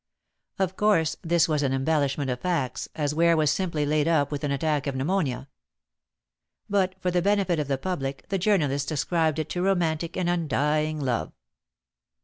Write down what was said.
Of course, this was an embellishment of facts, as Ware was simply laid up with an attack of pneumonia. But for the benefit of the public the journalists ascribed it to romantic and undying love.